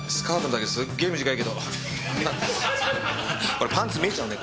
これパンツ見えちゃうね